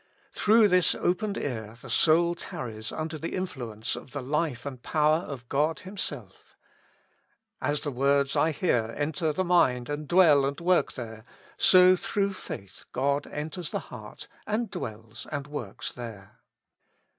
Through this opened ear the soul tarries under the influence of the life and power of God Himself As the words I hear enter the mind and dwell and work there, so through faith God enters the heart, and dwells and works there.